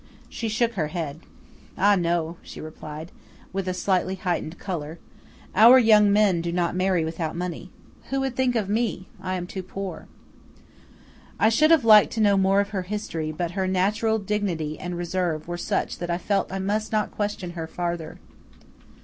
She shook her head. "Ah, no," she replied, with a slightly heightened colour. "Our young men do not marry without money. Who would think of me? I am too poor." I should have liked to know more of her history; but her natural dignity and reserve were such that I felt I must not question her farther.